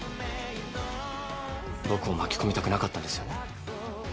僕を巻き込みたくなかったんですよね。